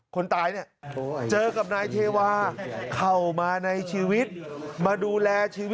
จ๊ะจ๊ะจ๊ะจ๊ะจ๊ะจ๊ะจ๊ะจ๊ะจ๊ะจ๊ะ